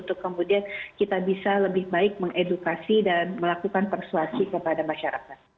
untuk kemudian kita bisa lebih baik mengedukasi dan melakukan persuasi kepada masyarakat